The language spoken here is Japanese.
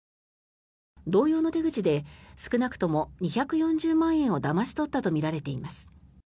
同様の手口で少なくとも２４０万円をだまし取ったとみられています。